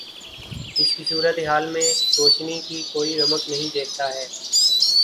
اس کی صورت حال میں روشنی کی کوئی رمق نہیں دیکھتا ہے۔